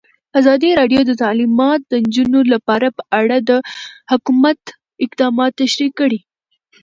ازادي راډیو د تعلیمات د نجونو لپاره په اړه د حکومت اقدامات تشریح کړي.